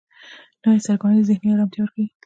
نوې سرګرمي ذهني آرامتیا ورکوي